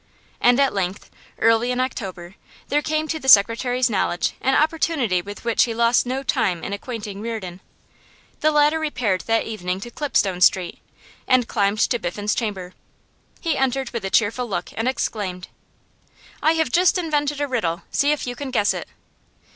And at length, early in October, there came to the secretary's knowledge an opportunity with which he lost no time in acquainting Reardon. The latter repaired that evening to Clipstone Street, and climbed to Biffen's chamber. He entered with a cheerful look, and exclaimed: 'I have just invented a riddle; see if you can guess it.